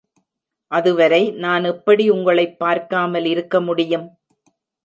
அது வரை நான் எப்படி உங்களைப் பார்க்காமல் இருக்க முடியும்?